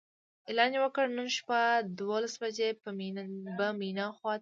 اعلان یې وکړ نن شپه دولس بجې به مینا ته ځو.